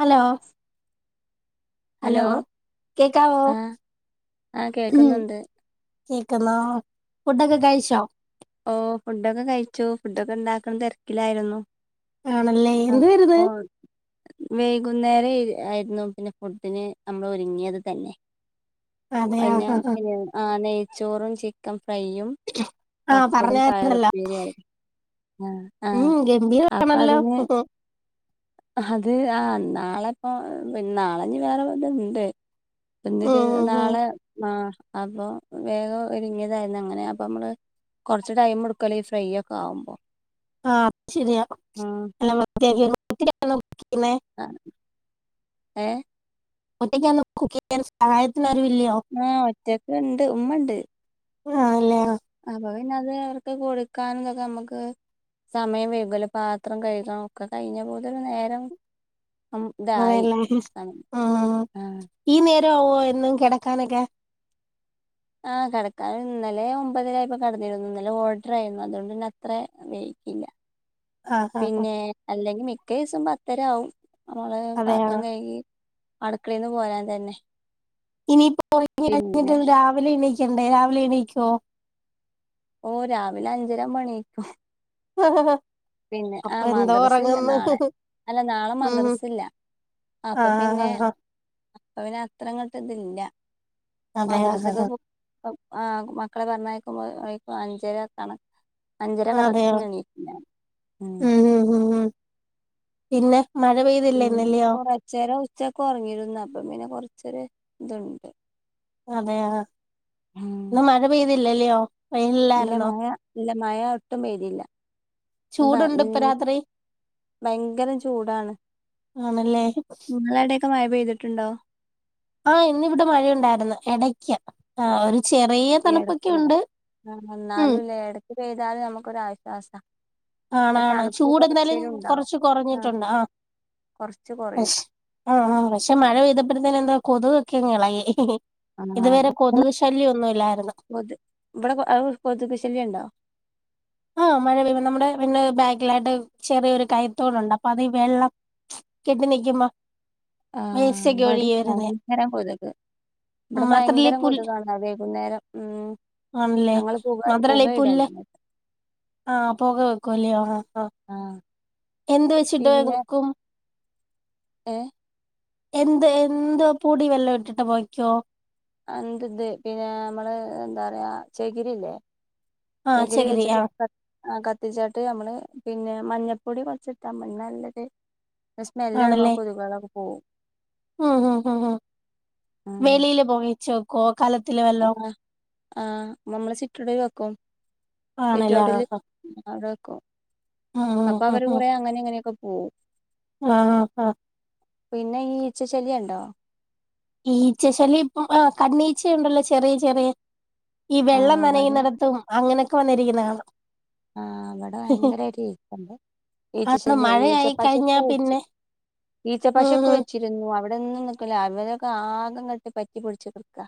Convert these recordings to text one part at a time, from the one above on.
Hello hello hello കേക്കാവോ? ആഹ് ആഹ് ഉം കേൾക്കുന്നുണ്ട് കേക്കുന്നോ ഫുഡൊക്കെ ക കഴിച്ചോ? ഓ ഫുഡൊക്കെ കഴിച്ചു ഫുഡൊക്കെ ഉണ്ടാക്കണം തിരക്കിലായിരുന്നു ആണല്ലേ എന്തുവായിരുന്ന് അപ്പൊ വൈകുന്നേരം ആയിരുന്നു പിന്നെ ഫുഡിന് നമ്മൾ ഒരുങ്ങിയത് തന്നെ അതെ അ ആ ആ [unintelligible] ആന്നേ ചോറും ചിക്കൻ ഫ്രൈയും ആ ആ പ പറഞ്ഞായിരുന്നല്ലോ ആഹ് ആഹ് ഉം അപ്പൊ ഗംഭീരാണല്ലോ. അതിന് അത് ആഹ് നാളെപ്പൊ പി നാളെഞ്ഞി വേറെ വടെണ്ട്. പിന്നൊരു ഉം ഉം നാളെ ആഹ് അപ്പൊ വേഗം ഒരുങ്ങിയതായിരുന്നു അങ്ങനെ അപ്പൊ നമ്മള് കുറച്ച് ടൈം എടുക്കല്ലോ ഈ ഫ്രൈ ഒക്കെ ആവുമ്പോ ആഹ ശരിയാ എല്ലാ വൃത്തിയാക്കി [unintelligible] ആ ഏ ഒറ്റക്കാണോ കുക്കിയാറ് സഹായത്തിന് ആരും ഇല്ലയോ ആ ഒറ്റക്ക ഉണ്ട് ഉമ്മണ്ട് ആ ല്ലേ [inaudible] പിന്നെ അത് അവർക്ക് കൊടുക്കാനതൊക്കെ നമുക്ക് സമയം വൈകൂല്ലോ പാത്രം കഴുകണം ഒക്കെ കഴിഞ്ഞ [unintelligible] നേരം ഇതായി അതെല്ല ആ ആഹ് ഈ നേ രാവോ എന്നും കിടക്കാനൊക്കെ ആഹ കിടക്കാൻ ഇന്നലെ ഒമ്പതിനരായിപ്പ കടന്നിരുന്നു ഇന്നലെ ഓർഡർ ആയിരുന്നു അതുകൊണ്ട് തന്നെ അത്ര വൈകില്ലാ ആ ആ ആ പിന്നെ അല്ലെങ്കിൽ മിക്ക ദിവസം പത്തര ആവും നമ്മള് അതെയോ പാത്രം കഴുകി അടുക്കളയിന്ന് പോരാൻ തന്നെ ഇനിയിപ്പോ ഉറങ്ങ പിന്നെ കഴിഞ്ഞിട്ടൊന്ന് രാവിലെ എണീക്കണ്ടേ രാവിലെ എണീക്കുവോ ഓ രാവിലെ അഞ്ചരാവുമ്പോ എണീക്കും ആ ഹ ഹാ പിന്നെ ആഹ മദ്രസ ഇല്ല നാളെ അല്ല നാളെ ഉം മദ്രസല്ല അപ്പൊ ആഹ് പിന്നെ ആഹ് ആഹ് ഇപ്പൊ പിന്നെ അത്ര അങ്ങോട്ട് ഇതില്ല അതെ ആഹ് മദ്രസക്കെ ആഹ് ആ മക്കളെ പറഞ്ഞയക്കുമ്പോ അഞ്ചര കണക്ക അഞ്ചര അതെയോ കറകറ്റ്ന്ന് എണീക്കും ഉം ഉം ഉം ഉം പിന്നെ മഴ പെയ്തില്ലേ ഉം ഇന്നലെയോ കൊറച്ചേരം ഉച്ചക്ക് ഉറങ്ങിരുന്നു അപ്പ പിന്നെ കൊറച്ച് ഇച്ചെരെ ഇതുണ്ട് അതെയാ ഇന്ന് മഴ പെയ്തി ല്ലല്ലോയോ ഇല്ല മയ ഇല്ല മഴ ഒട്ടും പെയ്‌തീല്ല ഇന്ന് ഭയ ചൂടുണ്ട് മ് ഇപ്പൊ രാത്രി ഭയങ്കരം ചൂടാണ് ആണല്ലേ മ് ങ്ങളെവടെക്കെ മഴ പെയ്തിട്ട് ട്ട്ണ്ടോ ആ ഇന്നിവിടെ മഴയുണ്ടായിരുന്നു ഇടക്ക് ആ ഒരു ചെറിയ തണുപ്പൊക്കെ ഇടെക്ക് ഉണ്ട് ആ ഉം എന്നന്നാലുംലേ ഇടക്ക് പെയ്താലും നമുക്കൊരാശ്വാസ ആണാണ് ചൂട് എന്തായാലും ഉണ്ടാവും കൊറച്ച് കൊറഞ്ഞിട്ടുണ്ട് ആ കൊറച്ച് കൊറയും പക്ഷ ആ ആ പക്ഷെ മഴ പെയ്തപ്പോഴത്തേനെന്തോ കൊതുക്കെങ്ങളെകി ആ ആ ഇല്ലായിരുന്നു കൊതു ഇബടെ അവ കൊതുകു ശല്ല്യണ്ടോ ആഹ മഴ പെയ്യുമ്പോ നമ്മുടെ പിന്നെ ബാക്കിലായിട്ട് ചെറിയൊരു കയ്ത്തോടുണ്ട് അപ്പൊ അത് ഈ വെള്ളം കെട്ടി നിക്കുമ്പോ ആഹ വേസ്റ്റ് ഒക്കെ ഒഴുകി ഇവടിം വരുന്നേ ഭയങ്കര കൊതുക് ഇബടെ മാത്രല്ല ഈ ഭയങ്കരം പുല്ല് കൊതുകാണ് വൈകുന്നേരം ഉം ആണല്ലേ ഞങ്ങള് പുക പുക ഇടല ആ പൊക വക്കു അല്ലയോ ഹാ അ ആഹ് എന്ത് വെച്ചിട്ടോ എങ്ങ്ക്കും എ എന്ത് എന്ത് പുടി വെല്ലോം ഇട്ടിട്ട് പൊകയ്ക്കോ എന്ത് ഇന്ത് പിന്നെ നമ്മള് ന്താ പറയാ ചെകിരില്ലേ ആഹ് ചകിരി വെച്ചിട്ട് ആഹ് കത്തി ആ കത്തിച്ചിട്ട് നമ്മള് പിന്നെ മഞ്ഞ പൊടി കൊറച്ച്ട്ടാ മതി നല്ലത് ആണല്ലേ മ് ഹ് ഹ് വെളിയില് പോയിച്ചോക്കോ ക്കോ ആ ആ നമ്മള് ചിറ്റൂടെ വെക്കും ആണല്ലേ ആഹ് സിറ്റൗട്ടില് ആഹ് അവിടെ വക്കും ഉം അപ്പൊ ഉം അവർ ഉം കുറെ അങ്ങനെ ഇങ്ങനൊക്ക പോകും ഉം ആഹ് ആഹ് പിന്നെ ഈ ഈച്ച ശല്ല്യം ണ്ടോ ഈച്ച ശല്യം ഇപ്പ ആ കണ്ണീച്ചയൊണ്ടല്ലോ ചെറിയ ചെറിയ ഈ വെള്ളം ആഹ് ഇവടിം നനയുന്നടത്തും അങ്ങനെ ഇപ്പൊ വന്നിരിക്കുന്ന കാണാം ആ ഇവിടെ ഭയങ്കര ആയിട്ട് ഈച്ചണ്ട് ആണ് ഈച്ചശല്യ ഈച്ച മഴയായി കഴിഞ്ഞാ പശൊക്കെ വെച്ചി പിന്നെ ഉം ഈച്ചപശൊക്കെ ഉം വെച്ചിരുന്നു അവിടെ [unintelligible] നിക്കൂല അവരൊക്കെ ആകെങ്ങട്ട് പറ്റിപിടിച്ചു നിക്കാ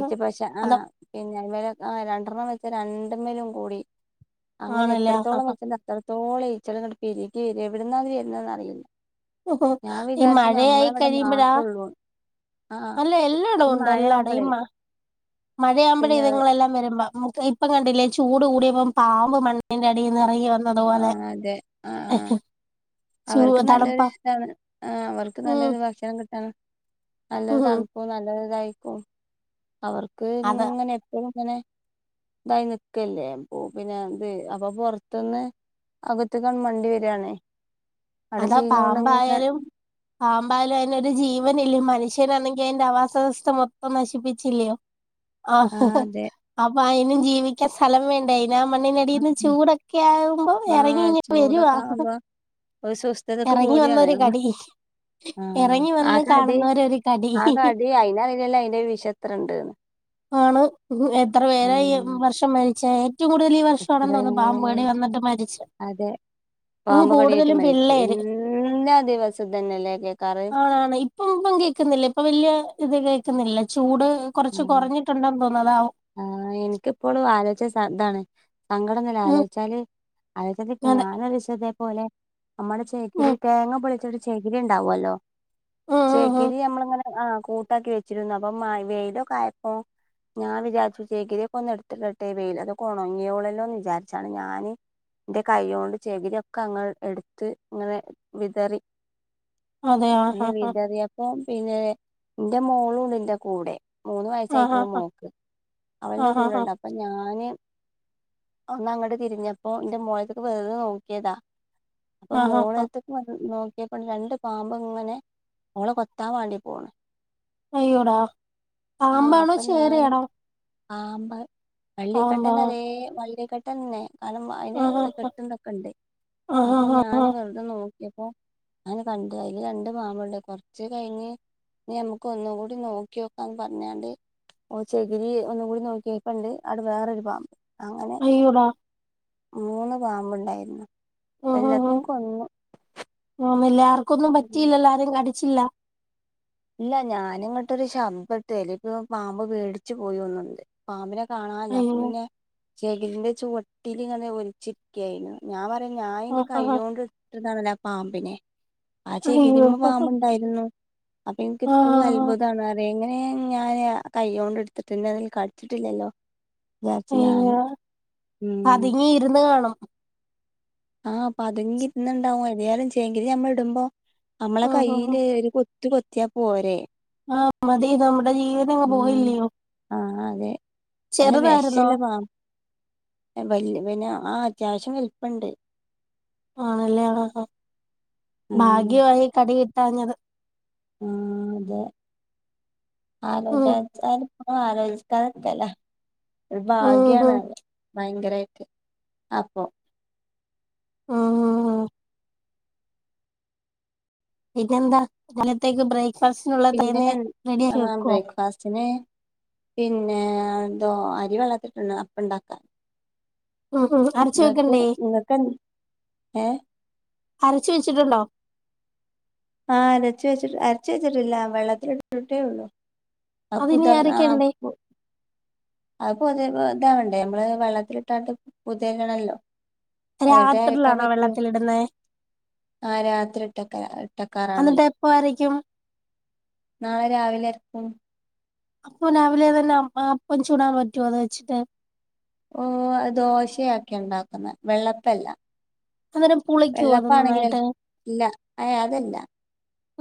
ഈച്ച പശ ആ അത പിന്നെ [unintelligible] രണ്ടെണ്ണം വെച്ചാ രണ്ടീമേലും കൂടി അങ്ങനെ ആണല്ലേ എത്രത്തോളം വെച്ചണ്ട് അത്രത്തോളെ ഈച്ചകൾ ഇങ്ങനെ പെരുകി വരാ എവിടന്ന വരുന്നന്ന് അറിയില്ല ഞാൻ വിചാരിച്ച് മഴ ആയി ഞമ്മളവിടെ കഴിയുമ്പോള മാത്രൊള്ളൂന്ന് ആഹ് അല്ല എല്ലായിടവും ഈ ഉണ്ട് എല്ലായിടവും ഈ മഴയാവുമ്പളേ മഴയാവുമ്പോഴ പിന്നെ ഇതങ്ങളെല്ലാം വരുമ്പ ഇപ്പം കണ്ടില്ലേ ചൂട് കൂടിയപ്പം പാമ്പ് മണ്ണിന്റെ അടിന്ന് നീ വന്നതുപോലെ ആഹ് അതെ ആഹ് ആഹ് ചൂ അവർക്ക് തണുപ്പ നല്ലൊരു ഇതാണ് ആ അവർക്ക് ഉം നല്ലൊരു ഭക്ഷണം കി ആ നല്ലൊരു ഉം തണുപ്പും നല്ലൊരു തായി [unintelligible] അവർക്ക് അത ഇങ്ങനെ എപ്പഴും അങ്ങനെ ഇതായി നിക്കല്ലേ അപ്പൊ പിന്നെ ഇത് അപ്പൊ പൊർത്ത്ന്ന് അകത്ത്ക്കങ്ങട്ട് മണ്ടി വെരാണേ അതാ പാമ്പായാലും പാമ്പായാലും അയി ജീവനല്ലേ മനുഷ്യനാണെങ്കി അതിന്റെ ആവാസവസ്ഥ മൊത്തം നശിപ്പിച്ചില്ലയോ ആ ഹ് ഹ് പ്പ അയിനും ജീവിക്കാൻ സ്ഥലം വേണ്ടേ ന്നാ മണ്ണിനടിന്ന് ചൂടൊക്കെ ആകുമ്പോ ഇറങ്ങി ആഹ് ഇങ് വരുവാ ചൂടൊക്കെ ആവുമ്പോ ഒരു സുസ്ഥതക്ക് ഇറങ്ങി വന്നൊ പോരാണ് ഒരു കടി ആഹ് ഇറങ്ങി ആ വന്ന് കടി കാണുന്നോരൊരു കടി ആ ഹ് ഹ് കടി അയിനറിയില്ലല്ലോ അയിന്റെ വിഷത്രണ്ട്ന്ന് ആണ് എത്ര പേരായി ഈ ഉം വർഷം മ [unintelligible] ഏറ്റവും കൂടുതൽ ഈ വർഷാണെന്ന് എത്രേ തോന്നുന്നു പാമ്പ് കടി വന്നിട്ട് മരിച്ചേ അതെ പാമ്പ് കടിയേറ്റ് കൂടുതലും മരിച്ചു [unintelligible] എല്ലാ ദിവസം ഇതന്നെല്ലേ കേക്കാറ് ആണ് ഇപ്പം ഇപ്പം കേക്കുന്നില്ല ഇപ്പം വെല്യ ഇപ്പൊ ഇത് കേൾക്കുന്നില്ല ചൂട് കൊറച്ച് മ് കൊറഞ്ഞിട്ടുണ്ടെന്ന് തോന്നുന്നു അതാവും ആ എനിക്കിപ്പളും ആലോയ്ച താണ് സങ്കടം വെരും ഉം ആലോയിച്ചാല് അതെ [unintelligible] പോലെ നമ്മുടെ ചേക്കില് ഉം തേങ്ങ പൊളിച്ചെടു ചെക് രി ഉണ്ടാവല്ലോ ഉം ഉം ഉം ചെകിരി നമ്മള ഇങ ആ കൂട്ടാക്കി വെച്ചിരുന്നു അപ്പം മ വെ കായപ്പോ ഞാൻ വിചാരിച്ചു ചെകിരിയൊക്കെ ഒന്ന് എടുത്തിട്ടട്ടെ വെയിൽ ഒണങ്ങീണല്ലോ വിചാരിച്ചാണ് ഞാന് ന്റെ കൈയ്യോണ്ട് ചെകിരിയൊക്കെ അങ് എടുത്ത് ഇങ്ങനെ വിതറി അതെയാ ഏ ഹാ ഹാ വിതറിയപ്പോ പിന്നെ ന്റെ മോളൂണ്ട് ന്റെ കൂടെ മൂന്ന് ആഹ് വയസ്സായിട്ടുള്ളൂ ആഹ് ആഹ് മോക്ക് അവളെന്റെ ആഹ് ആഹ് കൂടെണ്ട് അപ്പൊ ഞാന് ഒന്ന് അങ്ങട്ട് തിരിഞ്ഞപ്പോ ന്റെ മോളട്ത്ത്ക്ക് വെറ്തെ നോക്കിയതാ അപ്പൊ ആഹ് ആഹ് ആഹ് മോളെട്ത്ത് വന്ന് നോ പ്പണ്ട് രണ്ട് പാമ്പങ്ങനെ ഓളെ കൊത്താൻ വാണ്ടി പോണ് അയ്യോടാ ആ പാമ്പാണോ അപ്പൊ ഞാൻ ചേരയാണോ പാമ്പ് ആമ്പാ വെള്ളിക്കെട്ടന്റെ അതേ വള്ളി തന്നെ ആഹ് അയ്‌ന്റെ ആഹ് കെട്ടുന്നൊക്കെ ണ്ട് ആഹ് അപ്പൊ ആഹ് ആഹ് ഞാൻ ആഹ് വെറുതെ നോക്ക അപ്പോ ഞൻ കണ്ട് അയ്ൽ രണ്ട് പാമ്പോൾണ്ട് കൊറച്ച് കയിഞ്ഞ് ഞമ്മക് ഒന്നും കൂടി നോക്കിയോ പറഞ്ഞാണ്ട് ഓ ചെകിരി ഒന്നുംകൂടി നോക്കിയപ്പോണ്ട് അവിടെ വേറൊരു പാമ്പ് അങ്ങനെ അയ്യോടാ മൂന്ന് പാമ്പ്ണ്ടായിരുന്ന് എല്ലത്തിനും കൊന്നു മെല്ലാം ക്കൊന്നും ഉം പറ്റില്ലല ആരും കടിച്ചില്ല ഇല്ല ഞാനിങ്ങോട്ടൊരു ശബ്ദട്ടല്ല ഇപ്പ പാമ്പ് പേടിച്ചു പോയി ഒന്നുണ്ട് പാമ്പിനെ കാണാനല്ല അപ്പൊ അയ്യോ പിന്നെ ചെകിരിന്റെ ചുവട്ടില് ഇങ്ങനെ ഒലിച്ചിരിക്കായിരുന്നു ഞാൻ പറ ഞാൻ എന്റെ ആഹ് ആഹ് കൈയോണ്ട് ഇട്ത്തതാണ് ആ പാമ്പിനെ ആ അയ്യോ ചേകിതിമ്മ പാമ്പുണ്ടായിരുന്നു. അപ്പൊ എനിക്ക് ഇപ്പളും ആഹ് അത്ഭുത ആന്നറി എങ്ങനെയ ഞാന് കൈ്യോണ്ട് എടുത്തിട്ട്ന്ന അതിൽ കടിച്ചിട്ടില്ലല്ലോ. വിചാരിച്ചു ഏ ഞാന് ഉം അതിങ്ങ ഇരുന്ന് കാണും. ആഹ് അപ്പൊ അതെകി ന്ന് ഉണ്ടാകുയ [unintelligible] ച്യങ്കില് ഞമ്മൾ ഇടുമ്പോ നമ്മളെ ഉം ഉം ഉം കൈയ്യില് ഒരു കൊ ത് കൊത്തിയാ പോരെേ? ആ മതി നാം- ഉ ആഹ് അതെ അല്ല ചെറുതായിരുന്നോ വേഷലപ്പ [unintelligible] അത്യാവശ്യം വലിപ്യണ്ട്. ആണല്ലേ ആഹ് ഉം ഭാഗ്യമായി കട ട്ടാഞ്ഞത് ഉം അതെ ആലോജ ഉം ച്ചാലും ആഹ് ആലോചിക്കാതെക്കേലാ ഒരു ഉം ഭാഗ്യാണ് ഉം അത് ഭയങ്കരായിട്ട് അപ്പൊ ഉം ഉം ഉം. ഇതെന്താ ഇന്നത്തേക്ക് ബ്രേക്ക് ഫാസ്റ്റിനുള്ള പിന്നെ തേനെ ആ റെഡിയാക്കി വെക്കോ? ബ്രേക്ക്ഫാസ്റ്റിന് പിന്നെ ന്തോ അരി വള്ളത്തിട്ട്ണ്‌ അപ്പ ഇണ്ടാക്കാ. ഉം ഉം അരച്ചു വെക്കണ്ടേ ഏ അരച്ചു വെച്ചിട്ടുണ്ടോ? ആഹ് അരച്ച് വെച്ചിട്ട് അരച്ച് വെച്ചിട്ടില്ല വെള്ളത്തിലിട്ടിട്ടേ ഒള്ളു. അതിനി അരക്കണ്ടേ [unintelligible] അത് പൊതി ഇതാവണ്ടേ നമ്മള് വെള്ളത്തിലിട്ടാണ്ട് പൊതിരിണല്ലോ. എന്നിട്ടെ അരക്കാൻ രാത്രിയിലാണോ പറ്റൂ വെള്ളത്തിലിടുന്നേ ആ രാത്രി ഇട്ടക്ക ഇട്ടക്കാറാണ്. എന്നിട്ട് എപ്പ അരയ്ക്കും നാളെ രാവിലെ അരക്കും. അപ്പൊ രാവിലെ തന്നെ അ അപ്പം ചൂടാൻ പറ്റുവോ അത് വെച്ചിട്ട്? ഓ ദോശയാക്കെ ഉണ്ടാക്കുന്നേ വെള്ളപ്പല്ല. അന്നേരം പുളിക്കുവോ അത് വെള്ളപ്പ നന്നായിട്ട് ആണെങ്കിലല്ല അ അതല്ല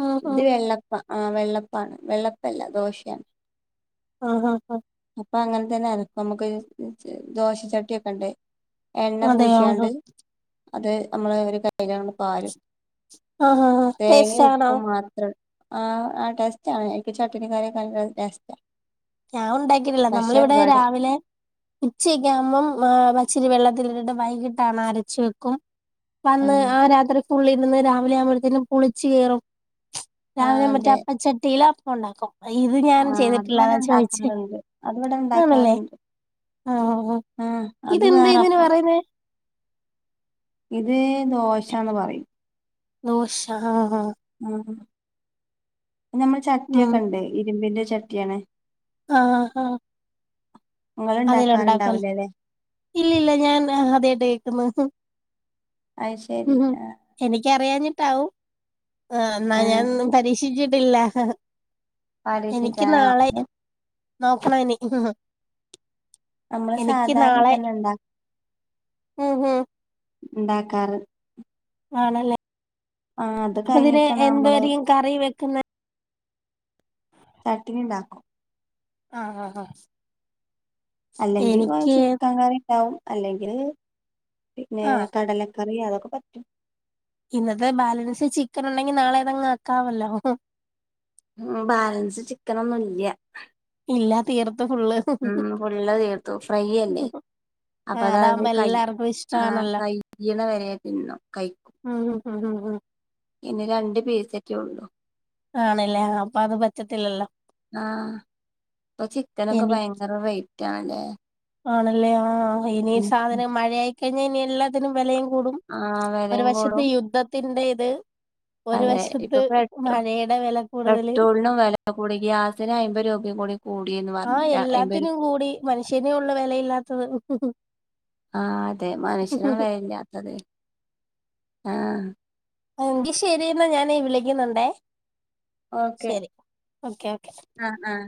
ഉം ഉം ഇത് വെള്ളപ്പ ആ വെള്ളപ്പാണ് വെള്ളപ്പല്ല ദോശയാണ്. ആ ആ ആ അപ്പൊ അങ്ങനെ തന്നെയരക്കാ നമുക്ക് ദോശചട്ടിയൊക്കെണ്ട്. അതെയോ അത് നമ്മള് ഒരു കയിലാണ്ട് പാരും. ആ ആ ആ തേങ്ങയും ടേസ്റ്റാണോ? ഉപ്പും മാത്രം ആ ആ ടെസ്റ്റാണ് അയിക്ക് ചട്ടിനി കറിയൊക്കെ നല്ല ടേസ്റ്റാ. ഞാൻ ഉണ്ടാക്കിട്ടില്ല പക്ഷെ നമ്മളിവിടെ ഇവിടെ രാവിലെ ഉച്ചക്കേവുമ്പം ഏഹ് ച്ചരി വെള്ളത്തിലിട്ടിട്ട് വൈകിട്ടാണ് അരച്ചു വെക്കും. വന്ന് ആ രാത്രി ഉള്ളിരുന്ന് രാവിലെ ആവുമ്പോഴത്തേനും പുളിച്ച് കേറും. ആ രാവിലെ മറ്റേ അതെ അപ്പ ചട്ടിലോ ഉണ്ടാക്കും. ഇത് ഞാൻ ചെയ്തിട്ടില്ലാന്ന് വെച്ച അതിവടെണ്ടാക്കാറുണ്ട് ആഹ് ആഹ് ആ അത് ഇതെന്താ വേറെ ഇതിന് അപ്പം പറയുന്നേ ഇത് ദോശാന്ന് പറിയും. ദോശ ആഹ് ആഹ് ഉം നമ്മള് ഉം ചട്ടിയൊക്കെ ഉണ്ട് ഇരുമ്പിന്റെ. ചട്ടിയാണ് ആഹ് ആഹ് നിങ്ങൾ അതില്ല ഉണ്ടാക്കല്ല ഉണ്ടാക്കാറുണ്ടാവില്ലല്ലേ ഇല്ല ഇല്ല ഞാൻ അദ്യായിട്ടാ ക്കുന്നത് അത് ശരി ആഹ് എനിക്കറിയാഞ്ഞി ട്ടൗ ആ എന്നാ ഞാൻ ആഹ് ഇന്ന് പരീക്ഷിച്ചി ട്ടില്ല എനിക്ക് പാരീസിക്കാ നാളെ നോക്കണെനി. നമ്മള് എനിക്ക് സാധാരണ നാളെ തന്നെ ഉണ്ടാ ഉം ഉം ഇണ്ടാക്കാറ് ആണല്ലേ അപ്പതിന് കഴിഞ്ഞിട്ടാണ് നമ്മള് എന്തുവാരിക്കും കറി വെക്കുന്നെ [unintelligible] ഉണ്ടാക്കും ആഹ് ആഹ് ആഹ് അല്ലെങ്കി ഓ എനിക്ക് ചിക്കങ്കറി ണ്ടാവും അല്ലെങ്കില് പിന്നെ ആഹ് കടലക്ക കറിയാതൊക്കെ പറ്റും ഇന്നത്തെ ബാലൻസ് ചിക്കൻ ഉണ്ടെങ്കി നാളെ ഏതങ്ങ് ആക്കാമല്ലോ ഉ ബാലൻസ് ചിക്കനൊന്നും ഇല്ല ഇല്ല തീർ ഉ ഫുള്ള് തീർത്തു ഫ്രൈ അല്ലേ അപ്പ ആഹ് അതത് അതാവുമ്പോ കൈ എല്ലാർക്കും ഇഷ്ടാണല്ലോ കയ്യണ വരെ തിന്നോ കഴിക്കും ഉം ഉം ഉം ഉം പിന്നെ രണ്ട് പീസ് കേ ഉണ്ടോ ആണല്ലേ ആ അപ്പൊ അത് പറ്റത്തില്ലല്ലോ ആഹ ഇപ്പൊ ചിക്കനൊക്കെ എനി ഭയങ്കര റേറ്റ് റ്റാണ് ല്ലേ ആണല്ലേ ആ ഇനി സാധനം മഴയായി കഴിഞ്ഞ ഇനി എല്ലാത്തിനും വലയും കൂടും ആഹ് ഒരു വെലയും വശത്തെ കൂടും യുദ്ധ തിൻന്റേത് അതെ ഇപ്പൊ പെട്രോ വില കൂടുതല് പെട്രോളിനും വേല കൂടി ഗ്യാസിന് അയ്മ്പ രൂപയും കൂടി കൂടിന്ന് ആഹ് പറഞ്ഞിട്ട് അയ്മ്പത് രൂ എല്ലാത്തിനും കൂടി മനുഷ്യനെയുള്ളൂ വെലയില്ലാത്തത്. ആഹ് അതെ മനുഷ്യനാണ് വെലയില്ലാത്തത് ആഹ് എങ്കി ശരിന്നാ ഞാനെ വിളിക്കുന്നുണ്ടേ. ഓക്കെ ശരി ഓക്കെ ആഹ് ആഹ്